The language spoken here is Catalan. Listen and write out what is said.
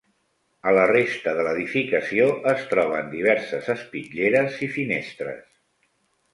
A la resta de l'edificació es troben diverses espitlleres i finestres.